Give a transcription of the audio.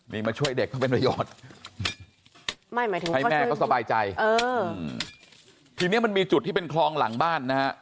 นี่มาช่วยเด็กก็เป็นประโยชน์ให้แม่ก็สบายใจทีนี้มันมีจุดที่เป็นคลองหลังบ้านนะฮะ